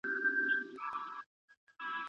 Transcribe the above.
د ځان او ټول امت لپاره دعا وکړئ.